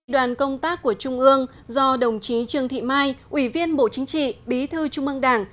đoàn công tác của trung ương do đồng chí trương thị mai ủy viên bộ chính trị bí thư trung ương đảng